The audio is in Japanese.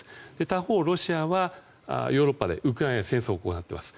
他方、ロシアはヨーロッパでウクライナに戦争を行っています。